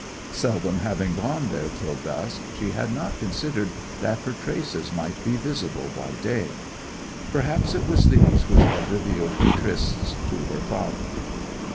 Seldom having gone there till dusk, she had not considered that her traces might be visible by day. Perhaps it was these which had revealed her trysts to her father.